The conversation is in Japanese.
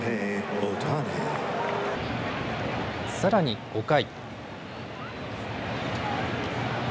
さらに５回。